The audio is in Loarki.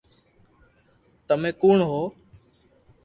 تمي ڪوڻ ھون